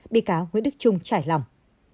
bị cáo nguyễn đức trung trải lòng